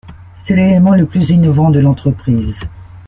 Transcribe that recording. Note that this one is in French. C'est l'élément le plus innovant de l'entreprise.